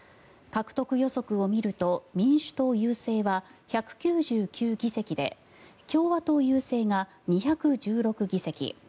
獲得予測を見ると民主党優勢は１９９議席で共和党優勢が２１６議席。